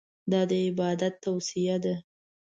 دا د عبادت توصیه ده.